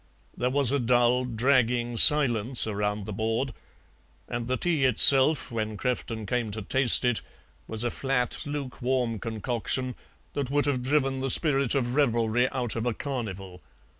There was a dull, dragging silence around the board, and the tea itself, when Crefton came to taste it, was a flat, lukewarm concoction that would have driven the spirit of revelry out of a carnival.